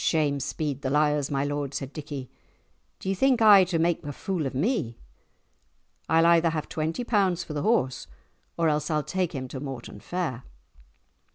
"Shame speed the liars, my lord!" said Dickie. "Do ye think aye to make a fool of me? I'll either have twenty pounds for the horse or else I'll take him to Mortan fair."